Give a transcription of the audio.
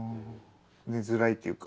寝づらいっていうか。